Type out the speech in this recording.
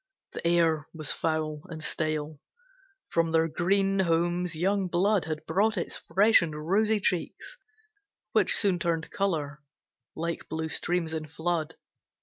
The air was foul and stale; from their green homes Young blood had brought its fresh and rosy cheeks, Which soon turned colour, like blue streams in flood.